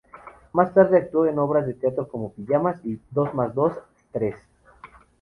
Más tarde actuó en obras de teatro como: "Pijamas" y "Dos más dos... stress".